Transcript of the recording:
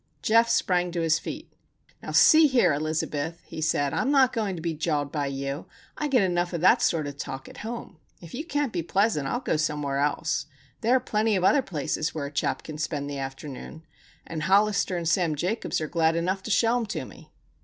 Geof sprang to his feet. "Now see here, Elizabeth," he said, "I'm not going to be jawed by you. I get enough of that sort of talk at home. If you can't be pleasant, I'll go somewhere else. There are plenty of other places where a chap can spend the afternoon, and Hollister and Sam Jacobs are glad enough to show 'em to me."